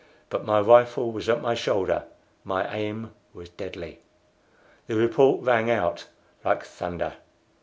But my rifle was at my shoulder; my aim was deadly. The report rang out like thunder.